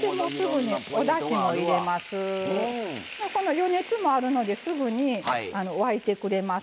この余熱もあるのですぐに沸いてくれます。